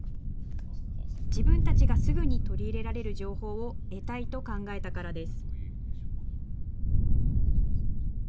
自分たちがすぐに取り入れられる情報を得たいと考えたからです。